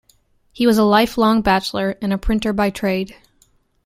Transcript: He was a lifelong bachelor and a printer by trade.